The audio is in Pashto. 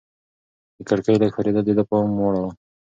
د کړکۍ لږ ښورېدل د ده پام واړاوه.